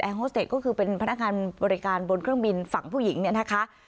โฮสเตจก็คือเป็นพนักงานบริการบนเครื่องบินฝั่งผู้หญิงเนี่ยนะคะ